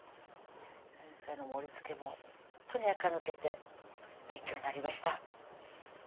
先生の盛りつけもほんとにあか抜けて勉強になりました